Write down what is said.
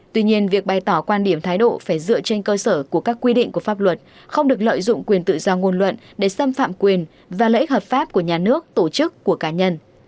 tuy nhiên việc bày tỏ quan điểm thái độ phải dựa trên cơ sở của các quy định của pháp luật không được lợi dụng quyền tự do ngôn luận để xâm phạm quyền và lợi ích hợp pháp của nhà nước tổ chức của cá nhân